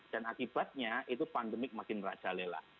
dan akibatnya itu pandemik makin raja lela